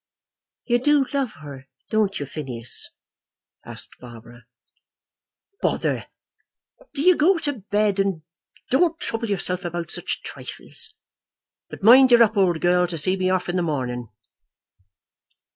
"You do love her; don't you, Phineas?" asked Barbara. "Bother! Do you go to bed, and don't trouble yourself about such trifles. But mind you're up, old girl, to see me off in the morning."